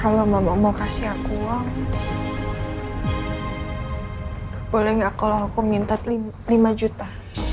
kalau mama mau kasih aku boleh nggak kalau aku minta lima juta